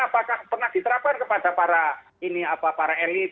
apakah pernah diterapkan kepada para elit